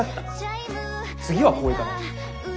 次はこういかない。